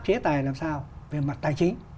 chế tài làm sao về mặt tài chính